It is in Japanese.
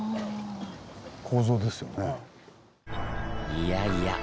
いやいや！